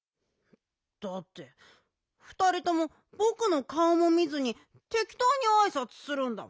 だってふたりともぼくのかおも見ずにてきとうにあいさつするんだもん。